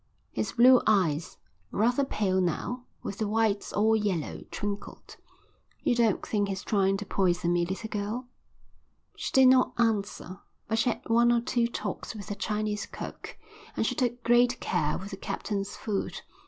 His blue eyes, rather pale now, with the whites all yellow, twinkled. "You don't think he's trying to poison me, little girl?" She did not answer, but she had one or two talks with the Chinese cook, and she took great care with the captain's food.